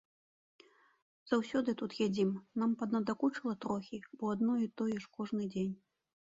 Заўсёды тут ядзім, нам паднадакучыла трохі, бо адно і тое ж кожны дзень.